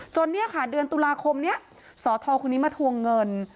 เนี่ยค่ะเดือนตุลาคมนี้สทคนนี้มาทวงเงิน